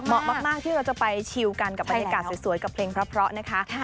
เหมาะมากที่เราจะไปชิลกันกับบรรยากาศสวยกับเพลงเพราะนะคะ